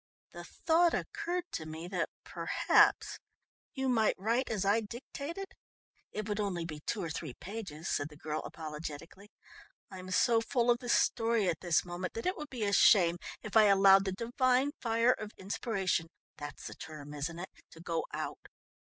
"The thought occurred to me that perhaps you might write as I dictated. It would only be two or three pages," said the girl apologetically. "I'm so full of the story at this moment that it would be a shame if I allowed the divine fire of inspiration that's the term, isn't it to go out."